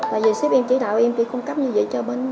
tại vì sếp em chỉ đạo em chỉ cung cấp như vậy cho bên mình thôi